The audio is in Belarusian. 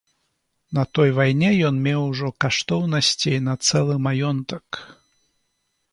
На той вайне ён меў ужо каштоўнасцей на цэлы маёнтак.